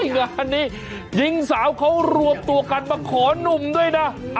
งานนี้หญิงสาวเขารวมตัวกันมาขอหนุ่มด้วยนะ